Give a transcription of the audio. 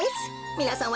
みなさん